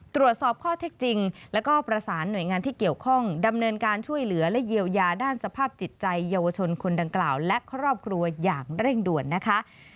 ตรวจสอบข้อเท็จจริงแล้วก็ประสานหน่วยงานที่เกี่ยวข้องดำเนินการช่วยเหลือและเยียวยาด้านสภาพจิตใจเยาวชนคนดังกล่าวและครอบครัวอย่างเร่งด่วนนะคะ